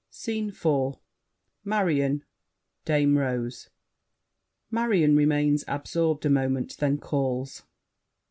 SCENE IV Marion, Dame Rose MARION (remains absorbed a moment, then calls).